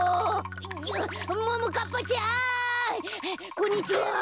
こんにちは。